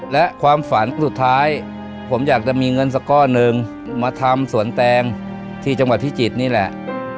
และความฝันสุดท้ายผมอยากจะมีเงินสักก้อนหนึ่งมาทำสวนแตงที่จังหวัดพิจิตรนี่แหละ